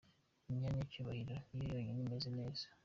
Imyanya y’icyubahiro ni yo yonyine imeze neza.